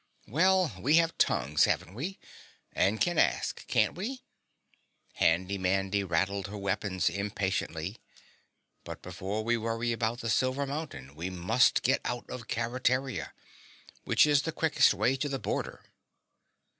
"Well, we have tongues, haven't we? And can ask, can't we?" Handy Mandy rattled her weapons impatiently. "But before we worry about the Silver Mountain we must get out of Keretaria. Which is the quickest way to the border?"